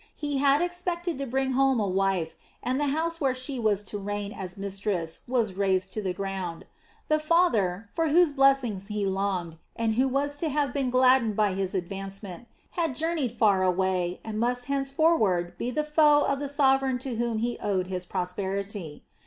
He had expected to bring home a wife, and the house where she was to reign as mistress was razed to the ground. The father, for whose blessing he longed, and who was to have been gladdened by his advancement, had journeyed far away and must henceforward be the foe of the sovereign to whom he owed his prosperity.